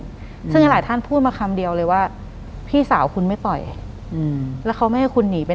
หลังจากนั้นเราไม่ได้คุยกันนะคะเดินเข้าบ้านอืม